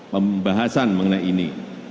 pembahasan mengenai ini